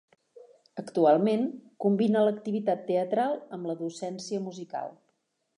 Actualment, combina l'activitat teatral amb la docència musical.